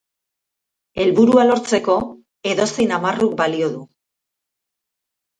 Helburua lortzeko, edozein amarruk balio du.